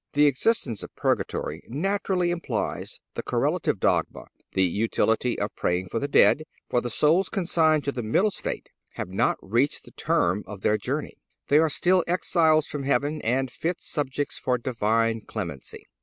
The existence of purgatory naturally implies the correlative dogma—the utility of praying for the dead—for the souls consigned to this middle state have not reached the term of their journey. They are still exiles from heaven and fit subjects for Divine clemency.